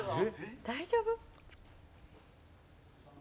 大丈夫？